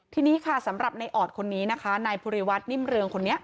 ที่นี้สำหรับในออดคนนี้พุธีวัชน์นิ่มเรือง